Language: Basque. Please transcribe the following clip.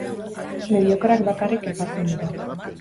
Mediokreak bakarrik kejatzen dira.